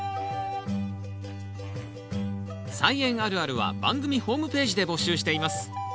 「菜園あるある」は番組ホームページで募集しています。